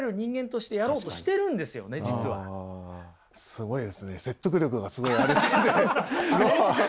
すごいですね。